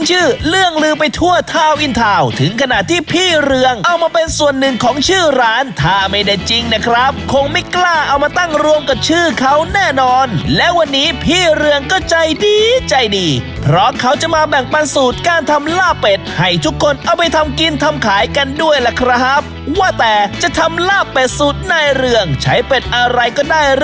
ชื่อเรื่องลืมไปทั่วทาวินทาวน์ถึงขนาดที่พี่เรืองเอามาเป็นส่วนหนึ่งของชื่อร้านถ้าไม่ได้จริงนะครับคงไม่กล้าเอามาตั้งรวมกับชื่อเขาแน่นอนและวันนี้พี่เรืองก็ใจดีใจดีเพราะเขาจะมาแบ่งปันสูตรการทำลาบเป็ดให้ทุกคนเอาไปทำกินทำขายกันด้วยล่ะครับว่าแต่จะทำลาบเป็ดสูตรในเรืองใช้เป็ดอะไรก็ได้ร